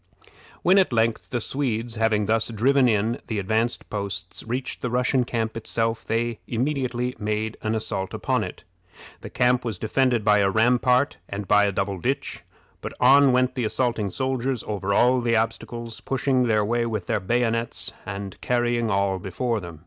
When at length the Swedes, having thus driven in the advanced posts, reached the Russian camp itself, they immediately made an assault upon it. The camp was defended by a rampart and by a double ditch, but on went the assaulting soldiers over all the obstacles, pushing their way with their bayonets, and carrying all before them.